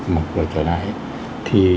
mở cửa trở lại thì